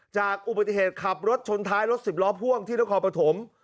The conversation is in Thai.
จากอุบัติเหตุขับรถชนท้ายรถสิบล้อพ่วงที่นครปฐม